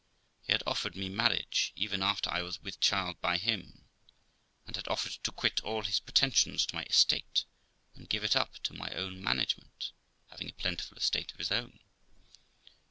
He had offered me marriage even after I was with child by him, and had offered to quit all his pretensions to my estate, and give it up to my own management, having a plentiful estate of his own.